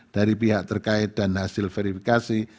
dari pihak terkait dan hasil verifikasi